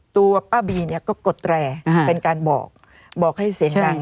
ตัวป้าบีเนี่ยก็กดแตรเป็นการบอกบอกให้เสียงดัง